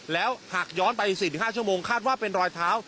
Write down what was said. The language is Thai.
แล้วหากย้อนไป๔๕ชั่วโมงคาดว่าเป็นรอยเท้า